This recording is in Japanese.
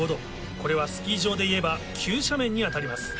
これはスキー場でいえば急斜面に当たります。